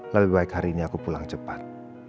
lebih baik hari ini aku pulang cepat